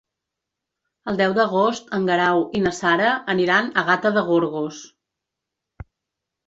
El deu d'agost en Guerau i na Sara aniran a Gata de Gorgos.